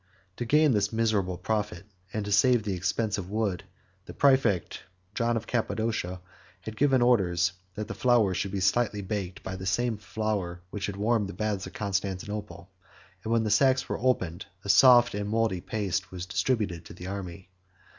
To gain this miserable profit, and to save the expense of wood, the præfect John of Cappadocia had given orders that the flour should be slightly baked by the same fire which warmed the baths of Constantinople; and when the sacks were opened, a soft and mouldy paste was distributed to the army.